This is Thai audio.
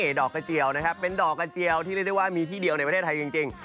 ดอกกระเจียวนะครับเป็นดอกกระเจียวที่เรียกได้ว่ามีที่เดียวในประเทศไทยจริง